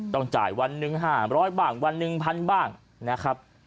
ต้องจ่ายวันหนึ่ง๕๐๐๐๐๐บาทวันหนึ่ง๑๐๐๐บาทบางนะครับ